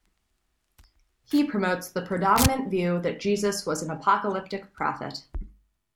He promotes the predominant view that Jesus was an apocalyptic prophet.